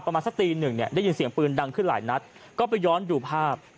ประมาณสักตีหนึ่งเนี่ยได้ยินเสียงปืนดังขึ้นหลายนัดก็ไปย้อนดูภาพ